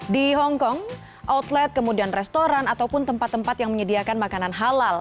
di hongkong outlet kemudian restoran ataupun tempat tempat yang menyediakan makanan halal